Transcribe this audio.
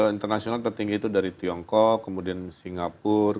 internasional tertinggi itu dari tiongkok kemudian singapura